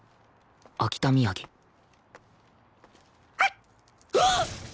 秋田土産うおっ！